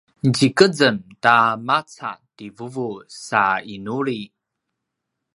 tjikezem ta maca ti vuvu sa inuli